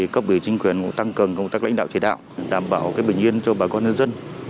các bỉ chính quyền tăng cầm công tác lãnh đạo chỉ đạo đảm bảo bình yên cho bà con nhân dân